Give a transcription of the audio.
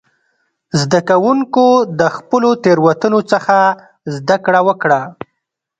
زده کوونکو د خپلو تېروتنو څخه زده کړه وکړه.